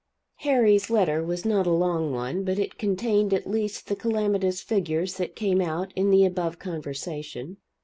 Harry's letter was not a long one, but it contained at least the calamitous figures that came out in the above conversation.